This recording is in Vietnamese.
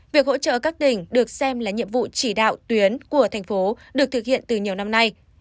việc hỗ trợ các tỉnh được xem là nhiệm vụ chỉ đạo tuyến của thành phố được thực hiện từ nhiều năm nay